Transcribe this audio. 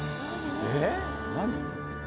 えっ何？